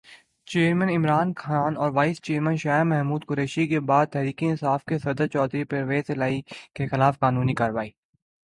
chairman Imran Khan اور vice chairman Shah Mahmood Qureshi کے بعد تحریک انصاف کے صدر چودھری پرویزالہٰی کی خلافِ قانون سفّاکانہ گرفتاری